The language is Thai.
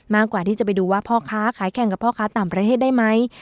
มากกว่าที่จะไปดูว่าพ่อค้าขายแข่งกับพ่อค้าต่างประเทศได้ไหม